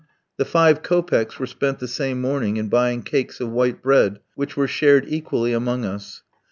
The five kopecks were spent the same morning in buying cakes of white bread which were shared equally among us.